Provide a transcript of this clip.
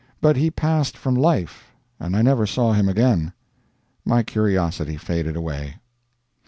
But he passed from life, and I never saw him again.. My curiosity faded away.